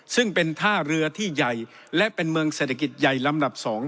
ซึ่งเป็นท่าเรือที่ใหญ่และเป็นเมืองเศรษฐกิจใหญ่ลำดับ๒